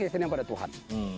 keyakinan pada tuhan